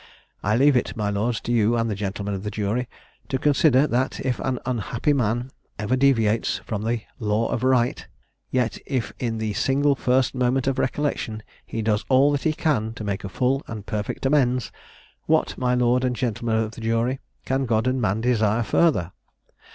I leave it, my lords, to you and the gentlemen of the jury to consider, that if an unhappy man ever deviates from the law of right, yet if in the single first moment of recollection he does all that he can to make a full and perfect amends, what, my lords and gentlemen of the jury, can God and man desire further?